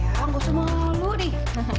ya gak usah malu nih